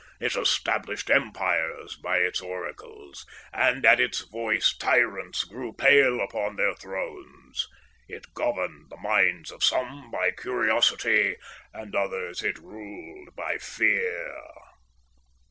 It established empires by its oracles, and at its voice tyrants grew pale upon their thrones. It governed the minds of some by curiosity, and others it ruled by fear."